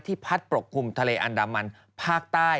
พัดปกคลุมทะเลอันดามันภาคใต้